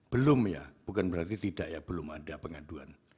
belum ya bukan berarti tidak ya belum ada pengaduan